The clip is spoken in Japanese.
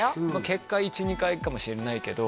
結果１２回かもしれないけど